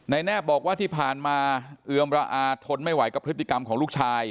แนบบอกว่าที่ผ่านมาเอือมระอาทนไม่ไหวกับพฤติกรรมของลูกชาย